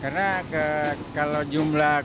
karena kalau jumlah